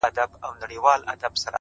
نو د وجود”